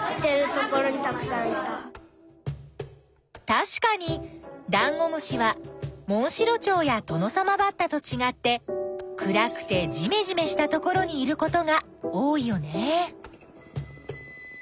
たしかにダンゴムシはモンシロチョウやトノサマバッタとちがって暗くてじめじめしたところにいることが多いよね。